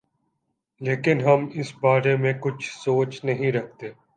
لیکن ہم اس بارے کچھ سوچ نہیں رکھتے۔